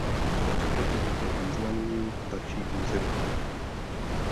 Ostrov je také významným ptačí územím.